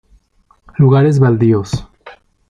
Lugares baldíos.